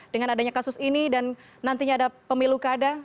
dengan adanya kasus ini dan nantinya ada pemilu kada